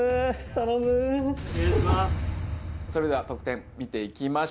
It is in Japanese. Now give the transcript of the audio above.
それでは得点見ていきましょう。